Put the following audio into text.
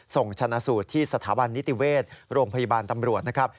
ส่งชนะสูตรที่สถาบันนิติเวชโรงพยาบาลตำรวจนะครับ